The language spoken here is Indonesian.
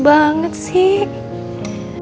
sebenarnya aku bernasib mungkin mamah guarantees